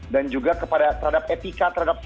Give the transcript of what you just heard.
dan juga kepada terhadap etika terhadap sikap